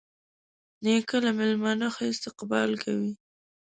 نیکه له میلمانه ښه استقبال کوي.